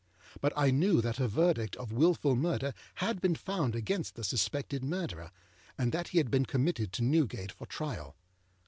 But I knew that a verdict of Wilful Murder had been found against the suspected murderer, and that he had been committed to Newgate for trial.